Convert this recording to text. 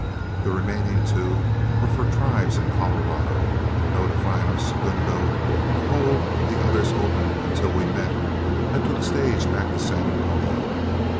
The remaining two were for tribes in Colorado, and notifying our segundo to hold the others open until we met, I took stage back to San Antonio.